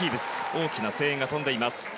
大きな声援が飛んでいます。